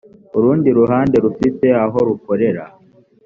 urundi ruhande rufite aho rukorera